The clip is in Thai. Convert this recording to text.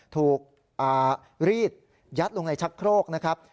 ถูกรีดยัดลงในชักโครกนะครับ